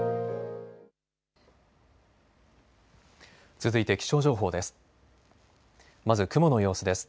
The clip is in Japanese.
続いて気象情報です。